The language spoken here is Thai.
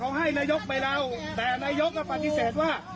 เอาให้นายกไปเล่าแต่นายกปฏิเสธว่า